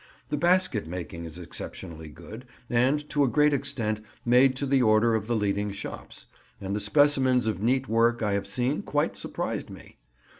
The basket making is exceptionally good, and to a great extent made to the order of the leading shops; and the specimens of neat work I have seen quite surprised me.